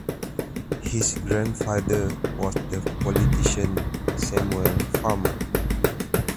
His grandfather was the politician Samuel Farmer.